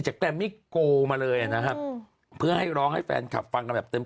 แกรมมี่โกมาเลยนะครับเพื่อให้ร้องให้แฟนคลับฟังกันแบบเต็ม